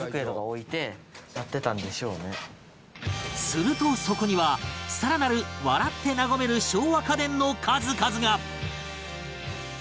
するとそこにはさらなる笑って和める笑和家電の数々が